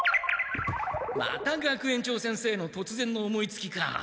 また学園長先生のとつぜんの思いつきか。